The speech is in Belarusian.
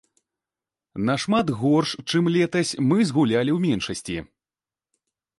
Нашмат горш, чым летась, мы згулялі ў меншасці.